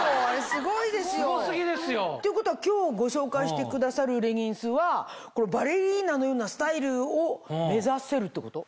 すご過ぎですよ。っていうことは今日ご紹介してくださるレギンスはバレリーナのようなスタイルを目指せるってこと？